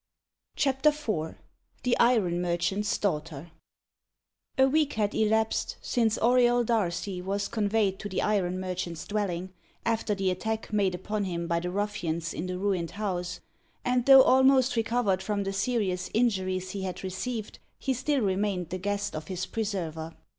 CHAPTER IV THE IRON MERCHANT'S DAUGHTER A week had elapsed since Auriol Darcy was conveyed to the iron merchant's dwelling, after the attack made upon him by the ruffians in the ruined house; and though almost recovered from the serious injuries he had received, he still remained the guest of his preserver.